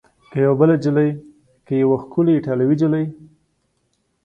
که یوه بله نجلۍ؟ که یوه ښکلې ایټالوۍ نجلۍ؟